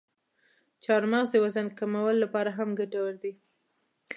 چارمغز د وزن کمولو لپاره هم ګټور دی.